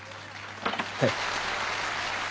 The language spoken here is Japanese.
はい。